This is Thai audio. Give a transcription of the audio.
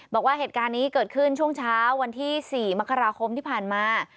บอกว่าเหตุการณ์นี้เกิดขึ้นช่วงเช้าวันที่๔มกราคมที่ผ่านมา